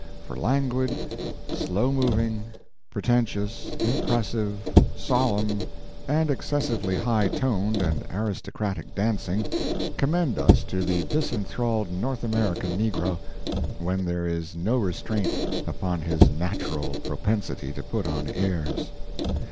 For languid, slow moving, pretentious, impressive, solemn, and excessively high toned and aristocratic dancing, commend us to the disenthralled North American negro, when there is no restraint upon his natural propensity to put on airs.